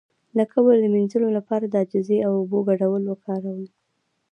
د کبر د مینځلو لپاره د عاجزۍ او اوبو ګډول وکاروئ